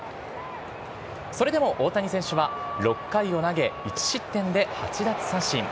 それでも大谷選手は６回を投げ１失点で８奪三振。